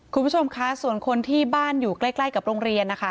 คุณผู้ชมคะส่วนคนที่บ้านอยู่ใกล้กับโรงเรียนนะคะ